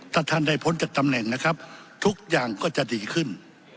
ถ้าท่านได้พ้นจากตำแหน่งนะครับทุกอย่างก็จะดีขึ้น